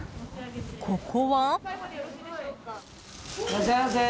ここは？